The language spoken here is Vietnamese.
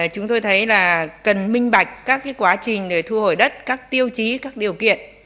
chúng tôi thấy là cần minh bạch các quá trình để thu hồi đất các tiêu chí các điều kiện